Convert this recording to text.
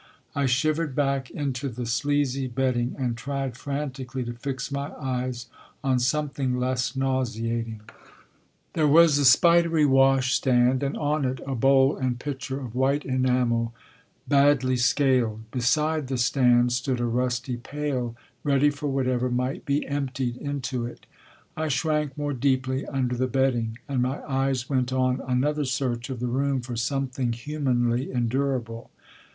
I shivered back into the sleazy bed ding, and tried frantically to fix my eyes on some thing less nauseating. 1 Happy Valley There was a spidery washstand, and on it a bowl and pitcher of white enamel badly scaled. Beside the stand stood a rusty pail, ready for whatever might be emptied into it. I shrank more deeply under the bedding, and my eyes went on another search of the room for something humanly endura ble.